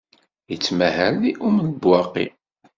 Yettmahal deg Um Lebwaqi.